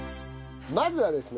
まずはですね